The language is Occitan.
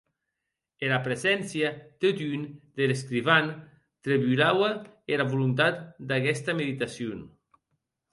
Era preséncia, totun, der escrivan trebolaue era volontat d’aguesta meditacion.